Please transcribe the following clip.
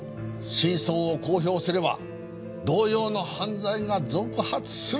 真相を公表すれば同様の犯罪が続発する。